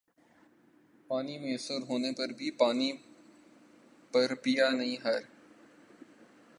پانی میسر ہونے پر بھی پانی پھر پیا نہیں ہر